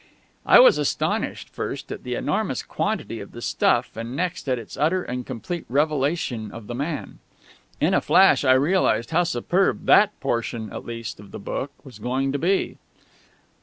I was astonished, first, at the enormous quantity of the stuff, and next at its utter and complete revelation of the man. In a flash I realised how superb that portion at least of the book was going to be.